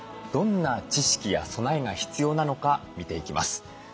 どんな知識や備えが必要なのか見ていきます。